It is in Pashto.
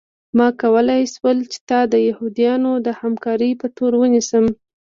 ما کولی شول چې تا د یهودانو د همکارۍ په تور ونیسم